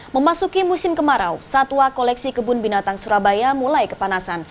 memasuki musim kemarau satwa koleksi kebun binatang surabaya mulai kepanasan